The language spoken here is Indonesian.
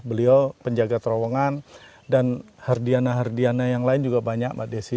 beliau penjaga terowongan dan hardiana hardiana yang lain juga banyak mbak desi